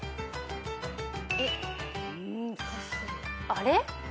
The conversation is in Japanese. あれ？